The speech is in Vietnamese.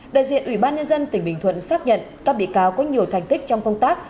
đại diện ủy ban nhân dân tỉnh bình thuận xác nhận các bị cáo có nhiều thành tích trong công tác